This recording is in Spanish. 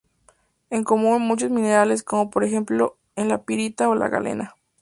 Es común en muchos minerales, como por ejemplo en la pirita o la galena.